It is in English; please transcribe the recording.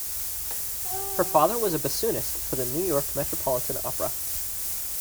Her father was a bassoonist for the New York Metropolitan Opera.